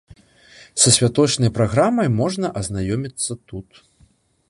Са святочнай праграмай можна азнаёміцца тут.